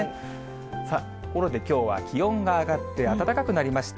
さあ、ところできょうは気温が上がって暖かくなりました。